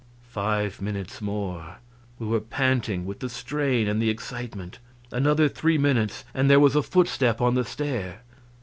Five minutes more. We were panting with the strain and the excitement. Another three minutes, and there was a footstep on the stair.